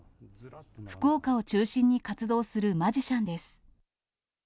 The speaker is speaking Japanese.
福岡を中心に活動するマジシャンです。